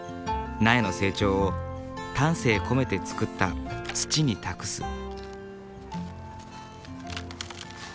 苗の成長を丹精込めて作った土に託す。